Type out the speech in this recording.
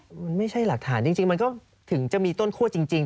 มันไม่ใช่หลักฐานจริงมันก็ถึงจะมีต้นคั่วจริง